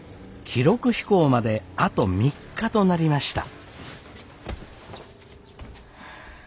記録飛行まであと３日となりました。